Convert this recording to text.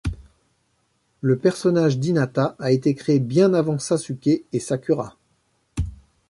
Le personnage d'Hinata a été créé bien avant Sasuke et Sakura.